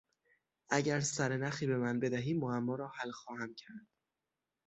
اگر سرنخی به من بدهی معما را حل خواهم کرد.